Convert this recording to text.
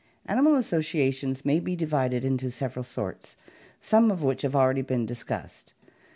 Animal associations may be divided into several sorts, some of which have already been discussed.